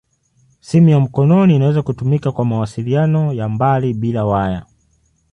Simu ya mkononi inaweza kutumika kwa mawasiliano ya mbali bila waya.